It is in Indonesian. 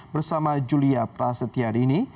bersama julia prasetyarini